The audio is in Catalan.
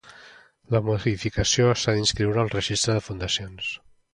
La modificació s'ha d'inscriure al Registre de fundacions.